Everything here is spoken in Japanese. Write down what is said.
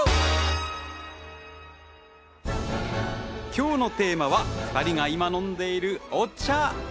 今日のテーマは２人が今飲んでいるお茶。